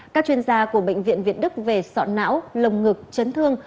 các chuyên gia của bệnh viện viện đức về sọ não lồng ngực chấn thương